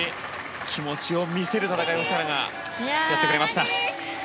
気持ちを見せる戦いを奥原が見せてくれました。